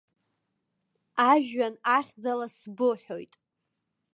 Ажәҩан ахьӡала сбыҳәоит!